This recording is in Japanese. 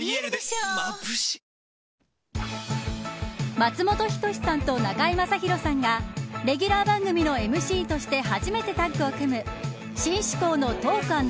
松本人志さんと中居正広さんがレギュラー番組のＭＣとして初めてタッグを組む新趣向のトーク＆